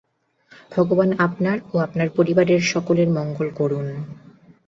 ভগবান আপনার ও আপনার পরিবারের সকলের মঙ্গল করুন।